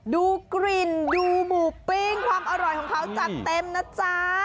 ดูกลิ่นดูหมูปิ้งความอร่อยของเขาจัดเต็มนะจ๊ะ